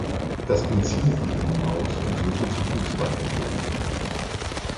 Das Benzin geht ihnen aus und sie müssen zu Fuß weitergehen.